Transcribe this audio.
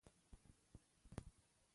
متل دی: د ښې غوښې ښه شوروا د بدې بده وي.